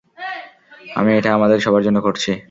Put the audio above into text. আমি এটা আমাদের সবার জন্য করছি।